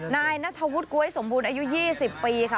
นายนัทธวุฒิก๊วยสมบูรณ์อายุ๒๐ปีค่ะ